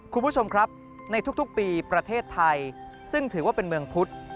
คุณผู้ชมครับในทุกปีประเทศไทยซึ่งถือว่าเป็นเมืองพุธ